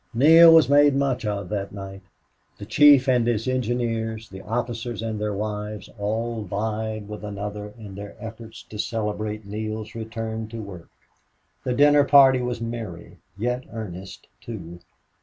Neale was made much of that night. The chief and his engineers, the officers and their wives, all vied with one another in their efforts to celebrate Neale's return to work. The dinner party was merry, yet earnest, too.